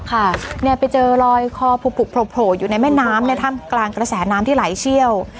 ค่ะเนี่ยไปเจอลอยคอผูกโผล่อยู่ในแม่น้ำในถ้ำกลางกระแสน้ำที่ไหลเชี่ยว